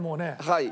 はい。